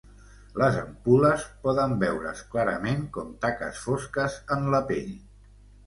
Les ampul·les poden veure's clarament com taques fosques en la pell.